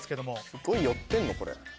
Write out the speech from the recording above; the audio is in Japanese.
すごい寄ってんの？